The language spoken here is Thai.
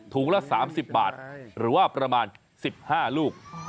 ละ๓๐บาทหรือว่าประมาณ๑๕ลูก